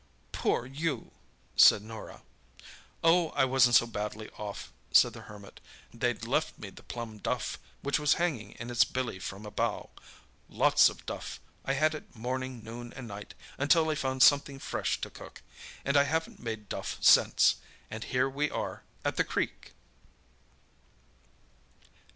"Poor you!" said Norah. "Oh, I wasn't so badly off," said the Hermit. "They'd left me the plum duff, which was hanging in its billy from a bough. Lots of duff—I had it morning, noon and night, until I found something fresh to cook—and I haven't made duff since. And here we are at the creek!"